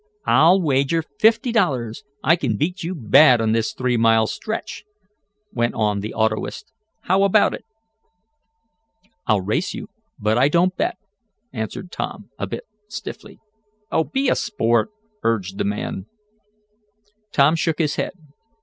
"I'll wager fifty dollars I can beat you bad on this three mile stretch," went on the autoist. "How about it?" "I'll race you, but I don't bet," answered Tom, a bit stiffly. "Oh, be a sport," urged the man. Tom shook his head.